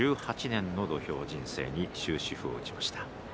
１８年の土俵人生に終止符を打ちました。